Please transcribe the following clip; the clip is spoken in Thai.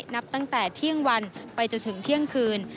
นับตั้งแต่เที่ยงวันไปจนถึงเที่ยงคืน